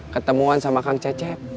ketemuan sama kang cecep